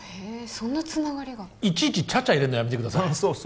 そんなつながりがいちいちちゃちゃ入れんのやめてくださいそう